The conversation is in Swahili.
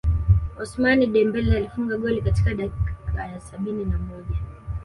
Ousmane Dembele alifunga goli katika dakika ya sabini na moja